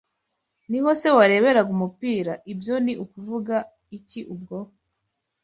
Niho se wareberaga umupira? Ibyo ni ukuvuga iki ubwo